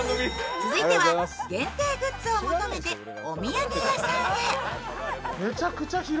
続いては、限定グッズを求めてお土産屋さんへ。